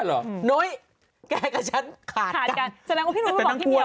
หนุ๊ยแกกับฉันขาดกันแสดงว่าพี่หนุ๊ยไม่บอกพี่เมียวไว้